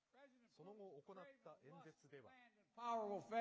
その後行った演説では。